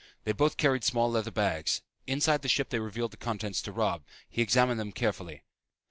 They both carried small leather bags. Inside the ship they revealed the contents to Robb. He examined them carefully.